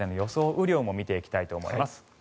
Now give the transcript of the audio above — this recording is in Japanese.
雨量も見ていきたいと思います。